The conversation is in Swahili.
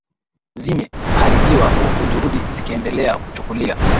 zime haribiwa huku juhudi zikiendelea kuchukuliwa